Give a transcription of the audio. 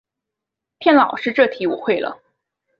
骗老师这题我会了